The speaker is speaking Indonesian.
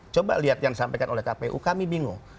coba lihat yang disampaikan oleh kpu kami bingung